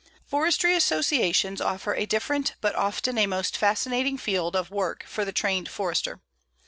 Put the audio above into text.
Forestry associations offer a different, but often a most fascinating field, of work for the trained Forester.